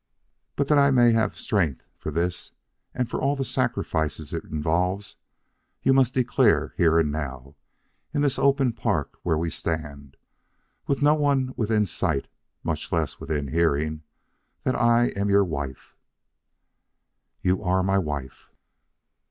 But that I may have strength for this and for all the sacrifices it involves, you must declare here, now, in this open park where we stand, with no one within sight much less within hearing, that I am your wife." "You are my wife."